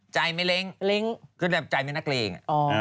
ใจไม่เล้ง